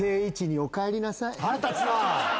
腹立つな！